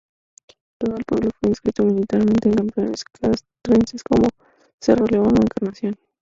Todo el pueblo fue instruido militarmente en campamentos castrenses como Cerro León o Encarnación.